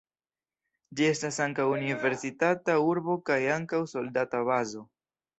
Ĝi estas ankaŭ universitata urbo kaj ankaŭ soldata bazo.